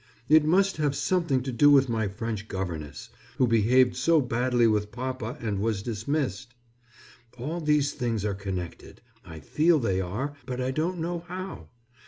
It must have something to do with my French governess, who behaved so badly with papa and was dismissed. All these things are connected. I feel they are, but I don't know how.